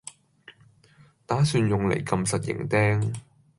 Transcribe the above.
打算用嚟撳實營釘